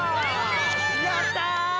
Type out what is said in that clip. やった！